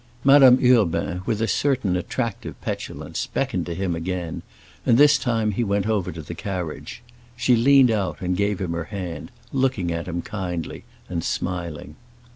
Madame Urbain, with a certain attractive petulance, beckoned to him again, and this time he went over to the carriage. She leaned out and gave him her hand, looking at him kindly, and smiling.